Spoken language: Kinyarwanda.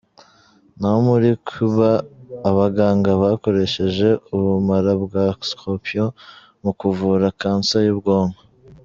Naho muri Cuba, abaganga bakoresheje ubumara bwa scorpion mu kuvura cancer y’ubwonko.